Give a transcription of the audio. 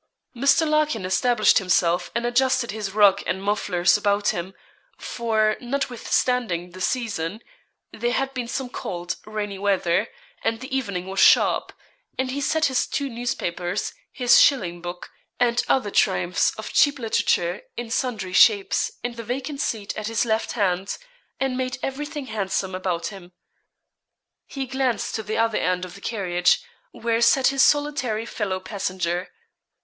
Mr. Larkin established himself, and adjusted his rug and mufflers about him, for, notwithstanding the season, there had been some cold, rainy weather, and the evening was sharp; and he set his two newspapers, his shilling book, and other triumphs of cheap literature in sundry shapes, in the vacant seat at his left hand, and made everything handsome about him. He glanced to the other end of the carriage, where sat his solitary fellow passenger.